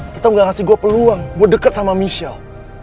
tetep gak ngasih gue peluang buat deket sama michelle